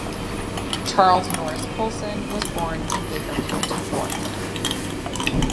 Charles Norris Poulson was born in Baker County, Oregon.